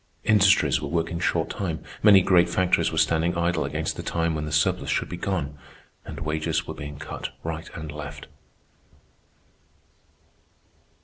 Industries were working short time; many great factories were standing idle against the time when the surplus should be gone; and wages were being cut right and left.